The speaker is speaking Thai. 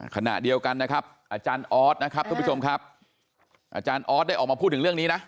ขณะเดียวกันนะครับอาจารย์ออสนะครับทุกผู้ชมครับอาจารย์ออสได้ออกมาพูดถึงเรื่องนี้นะ